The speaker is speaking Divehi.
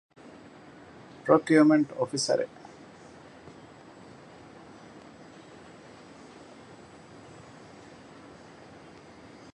ޕްރޮކިއުމަންޓް އޮފިސަރ އެއް